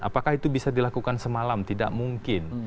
apakah itu bisa dilakukan semalam tidak mungkin